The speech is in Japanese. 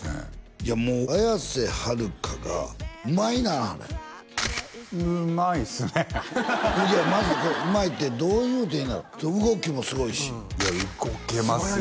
もう綾瀬はるかがうまいなあれうまいっすねいやマジでうまいってどう言うたらいいんやろう動きもすごいしいや動けますよ